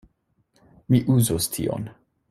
Mi uzos tion.